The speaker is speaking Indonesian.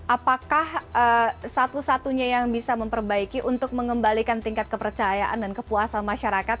apakah satu satunya yang bisa memperbaiki untuk mengembalikan tingkat kepercayaan dan kepuasan masyarakat